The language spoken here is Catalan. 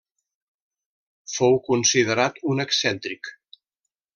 Fou considerat un excèntric.